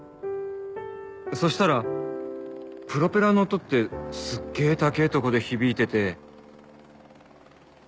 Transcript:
そしたらプロペラの音ってすっげぇ高ぇとこで響いてて。